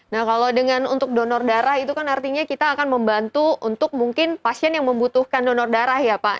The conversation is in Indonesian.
nah kalau dengan untuk donor darah itu kan artinya kita akan membantu untuk mungkin pasien yang membutuhkan donor darah ya pak